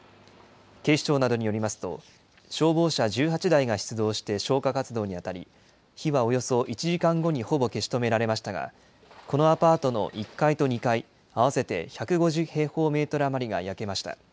警視庁などによりますと、消防車１８台が出動して消火活動に当たり、火はおよそ１時間後にほぼ消し止められましたが、このアパートの１階と２階合わせて１５０平方メートル余りが焼けました。